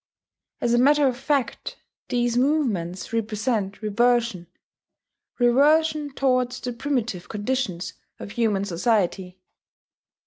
As a matter of fact these movements represent reversion, reversion toward the primitive conditions of human society.